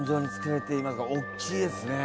おっきいですね。